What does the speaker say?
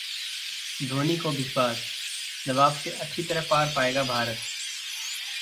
धोनी को विश्वास, दबाव से अच्छी तरह पार पाएगा भारत